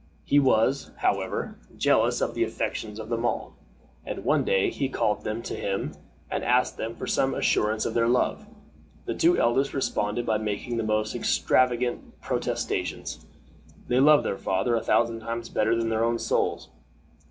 He was, however, jealous of the affections of them all, and one day he called them to him, and asked them for some assurance of their love. The two eldest responded by making the most extravagant protestations. They loved their father a thousand times better than their own souls.